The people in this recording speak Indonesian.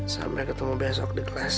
sampai ketemu besok di kelas